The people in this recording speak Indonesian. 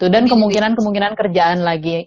dan kemungkinan kemungkinan kerjaan lagi